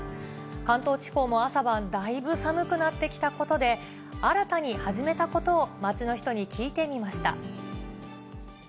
関東地方も朝晩、だいぶ寒くなってきたことで、新たに始めたことを街の人に聞いてみました。